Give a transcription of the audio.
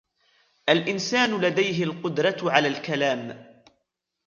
الإنسان لديه القدرة على الكلام.